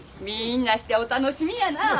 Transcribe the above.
みんなしてお楽しみやな。